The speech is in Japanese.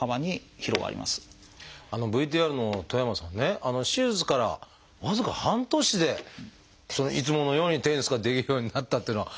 ＶＴＲの戸山さんね手術から僅か半年でいつものようにテニスができるようになったっていうのはすごいですね。